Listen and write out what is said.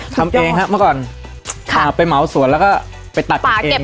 ทำเองฮะมาก่อนค่ะเอาไปเหมาสวนแล้วก็ไปตัดเอียงเอง